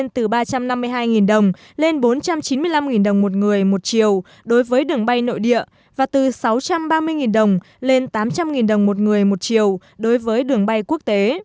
từ ba trăm năm mươi hai đồng lên bốn trăm chín mươi năm đồng một người một chiều đối với đường bay nội địa và từ sáu trăm ba mươi đồng lên tám trăm linh đồng một người một chiều đối với đường bay quốc tế